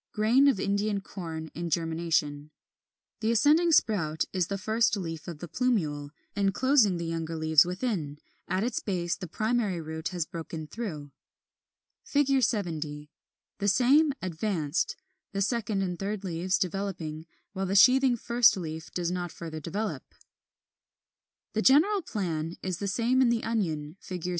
69. Grain of Indian Corn in germination, the ascending sprout is the first leaf of the plumule, enclosing the younger leaves within, at its base the primary root has broken through. 70. The same, advanced; the second and third leaves developing, while the sheathing first leaf does not further develop.] 42. The general plan is the same in the Onion (Fig.